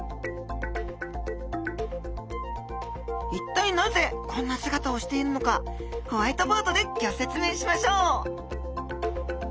一体なぜこんな姿をしているのかホワイトボードでギョ説明しましょう！